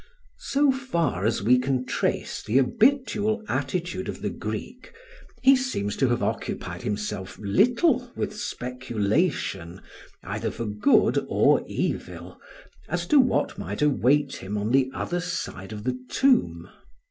So far as we can trace the habitual attitude of the Greek he seems to have occupied himself little with speculation, either for good or evil, as to what might await him on the other side of the tomb.